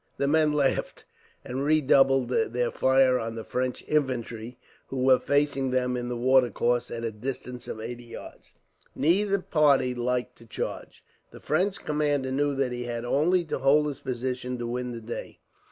The men laughed, and redoubled their fire on the French infantry, who were facing them in the watercourse at a distance of eighty yards. Neither party liked to charge. The French commander knew that he had only to hold his position to win the day.